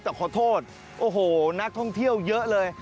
แต่ขอโทษโอ้โหนักท่องเที่ยวเยอะเลย